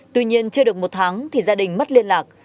tuy nhiên chưa được một tháng thì gia đình mất liên lạc